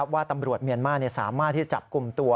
ว่าตำรวจเมียนมาร์สามารถที่จะจับกลุ่มตัว